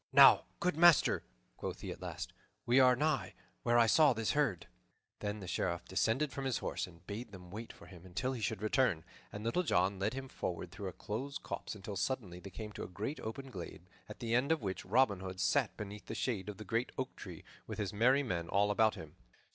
"Now, good master," quoth he at last, "we are nigh where I saw this herd." Then the Sheriff descended from his horse and bade them wait for him until he should return; and Little John led him forward through a close copse until suddenly they came to a great open glade, at the end of which Robin Hood sat beneath the shade of the great oak tree, with his merry men all about him.